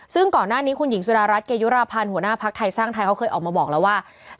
ซึ่งก่อนหน้านี้คุณหญิงสุดารัฐเกยุราพันธ์หัวหน้าภักดิ์ไทยสร้างไทยเขาเคยออกมาบอกแล้วว่า